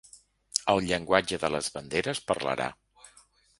El llenguatge de les banderes parlarà.